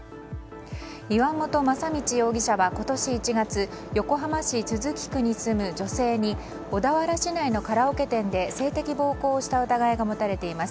岩本正道容疑者は今年１月横浜市都筑区に住む女性に小田原市内のカラオケ店で性的暴行をした疑いが持たれています。